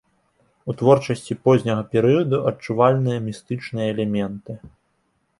У творчасці позняга перыяду адчувальныя містычныя элементы.